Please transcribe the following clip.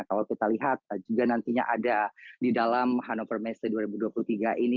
kalau kita lihat juga nantinya ada di dalam hannover messe dua ribu dua puluh tiga ini